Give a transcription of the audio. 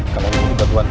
kamu ini juga tuhan